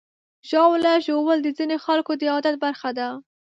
ژاوله ژوول د ځینو خلکو د عادت برخه ده.